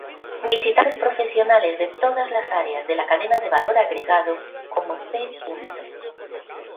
Visitantes profesionales de todas las áreas de la cadena de valor agregado como, p.